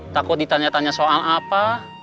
takut ditanya tanya soal apa